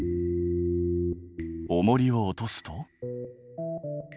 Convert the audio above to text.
おもりを落とすと。